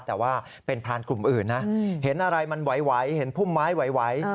แต่ว่าเป็นพรานกลุ่มอื่นนะเห็นอะไรมันไหวเห็นพุ่มไม้ไหว